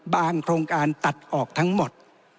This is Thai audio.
โครงการตัดออกทั้งหมด